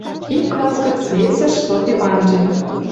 Ик класс гӹц весӹш Софи ванжен.